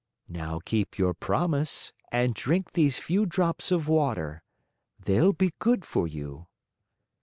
"Now keep your promise and drink these few drops of water. They'll be good for you."